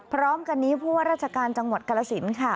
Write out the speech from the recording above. พร้อมกันนี้ผู้ว่าราชการจังหวัดกรสินค่ะ